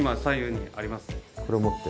これを持って。